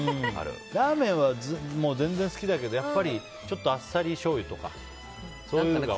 ラーメンは全然好きだけどやっぱりあっさりしょうゆとかそういうのが。